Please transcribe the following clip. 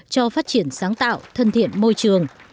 cho phát triển sáng tạo thân thiện môi trường